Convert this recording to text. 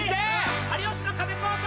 有吉の壁高校！